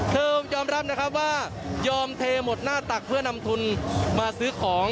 ยอมรับนะครับว่ายอมเทหมดหน้าตักเพื่อนำทุนมาซื้อของ